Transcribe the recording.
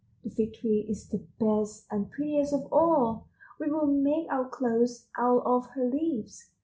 The Fig tree is the best and prettiest of all. We will make our clothes out of her leaves.